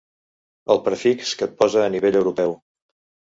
El prefix que et posa a nivell europeu.